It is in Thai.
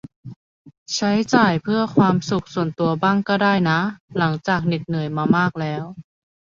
ใช้จ่ายเพื่อความสุขส่วนตัวบ้างก็ได้นะหลังจากเหน็ดเหนื่อยมามากแล้ว